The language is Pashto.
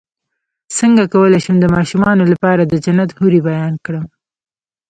څنګه کولی شم د ماشومانو لپاره د جنت حورې بیان کړم